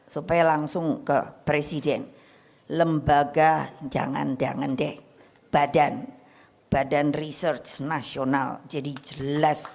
supaya langsung ke presiden lembaga jangan jangan deh badan badan research nasional jadi jelas